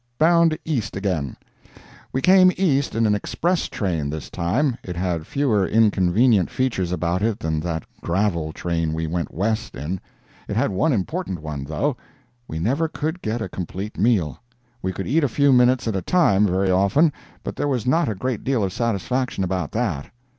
BOUND EAST AGAIN We came East in an express train this time. It had fewer inconvenient features about it than that gravel train we went West in. It had one important one, though. We never could get a complete meal. We could eat a few minutes at a time, very often, but there was not a great deal of satisfaction about that.